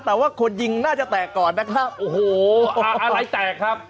แต่ว่าคนยิงน่าจะแตกก่อนนะครับโอ้โหอ่าอะไรแตกครับ